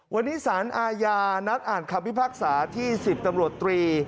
วันนี้สารอาญานัดอ่านคำพิพากษาที่๑๐ตำรวจตรี